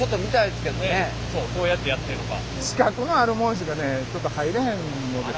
どうやってやってんのか。